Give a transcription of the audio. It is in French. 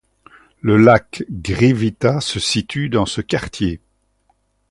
Le lac Grivița se situe dans ce quartier.